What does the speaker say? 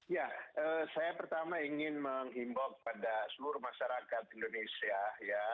ya saya pertama ingin menghimbau kepada seluruh masyarakat indonesia ya